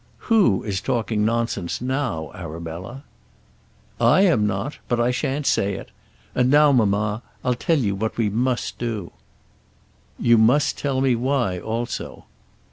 "Who is talking nonsense now, Arabella?" "I am not. But I shan't say it. And now, mamma, I'll tell you what we must do." "You must tell me why also."